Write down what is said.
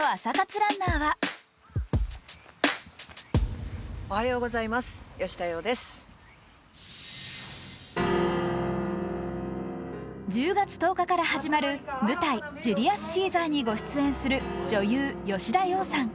ランナーは１０月１０日から始める舞台「ジュリアス・シーザー」に出演する吉田羊さん。